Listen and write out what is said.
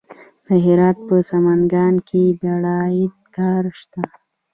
د هرات په سنګلان کې د بیرایت کان شته.